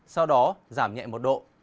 sau đó giảm nhẹ một độ